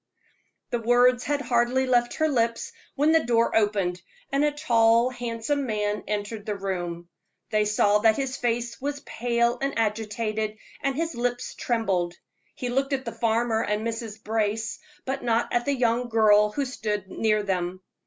The words had hardly left her lips, when the door opened, and a tall, handsome man entered the room. They saw that his face was pale and agitated, and his lips trembled. He looked at the farmer and Mrs. Brace, but not at the young girl who stood near them.